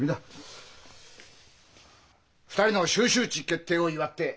２人の修習地決定を祝って！